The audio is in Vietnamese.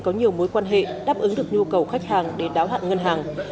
có nhiều mối quan hệ đáp ứng được nhu cầu khách hàng để đáo hạn ngân hàng